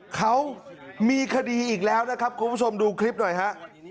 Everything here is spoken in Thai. เขามีคดีอีกแล้วนะครับคุณผู้ชมดูคลิปหน่อยฮะ